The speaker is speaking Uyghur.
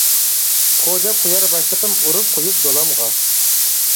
خو دەپ قويار باشلىقىم، ئۇرۇپ قويۇپ دولامغا.